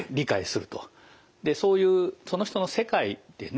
でそういうその人の世界ですね